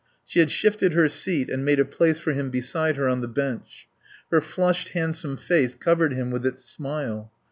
She had shifted her seat and made a place for him beside her on the bench. Her flushed, handsome face covered him with its smile.